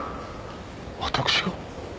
私が？